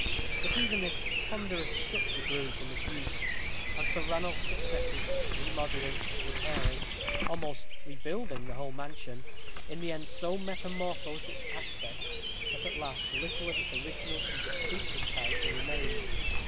But even this ponderous structure grew into disuse, and Sir Ranulph's successors, remodelling, repairing, almost rebuilding the whole mansion, in the end so metamorphosed its aspect, that at last little of its original and distinctive character remained.